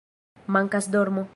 "Mankas dormo"